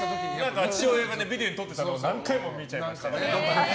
父親がビデオにとってたのを何回も見ちゃいました。